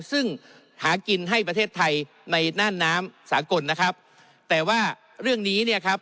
ซึ่งหากินให้ประเทศไทยในน่านน้ำสากลนะครับแต่ว่าเรื่องนี้เนี่ยครับ